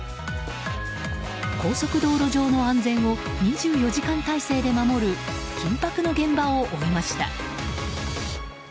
高速道路上の安全を２４時間態勢で守る緊迫の現場を追いました。